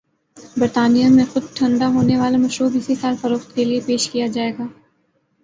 برطانیہ میں خود ٹھنڈا ہونے والا مشروب اسی سال فروخت کے لئے پیش کیاجائے گا۔